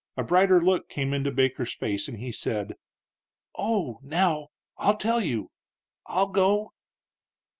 A brighter look came into Baker's face and he said: "Oh, now, I'll tell you; I'll go."